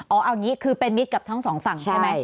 เอาอย่างนี้คือเป็นมิตรกับทั้งสองฝั่งใช่ไหม